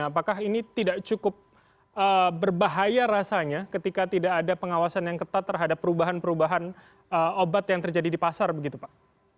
apakah ini tidak cukup berbahaya rasanya ketika tidak ada pengawasan yang ketat terhadap perubahan perubahan obat yang terjadi di pasar begitu pak